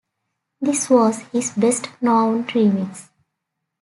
This was his best-known remix.